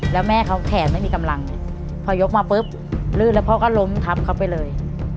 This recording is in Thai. แล้วแม่เขาแขนไม่มีกำลังพอยกมาปุ๊บลื่นแล้วพ่อก็ล้มทับเขาไปเลย